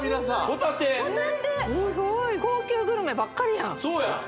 すごい！高級グルメばっかりやんそうや！